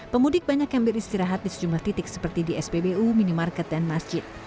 pemudik banyak yang beristirahat di sejumlah titik seperti di spbu minimarket dan masjid